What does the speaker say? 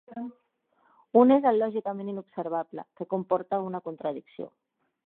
Un és el lògicament inobservable, que comporta una contradicció.